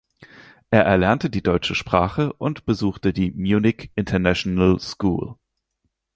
Er erlernte die deutsche Sprache und besuchte die Munich International School.